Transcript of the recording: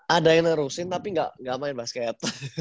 ada yang nerusin tapi nggak main basket